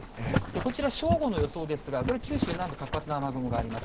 こちら、正午の予想ですが、これ、九州南部活発な雨雲があります。